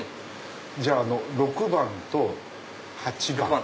じゃあ６番と８番。